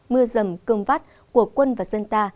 mưa rầm cơm vắt của quân và dân ta